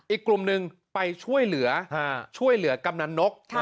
อีกกลุ่มหนึ่งไปช่วยเหลือกำหนันนก